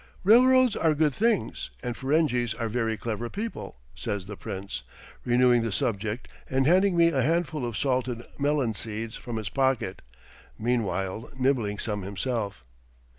"Railroads are good things, and Ferenghis are very clever people," says the Prince, renewing the subject and handing me a handful of salted melon seeds from his pocket, meanwhile nibbling some himself.